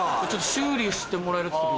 修理してもらえるって。